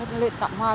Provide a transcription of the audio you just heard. nó lên tặng hoa